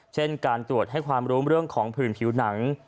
เช่นการตรวจให้ความรู้เรื่องของผื่นผิวหนัง